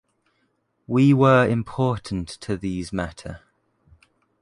We were important to these matter.